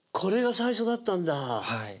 はい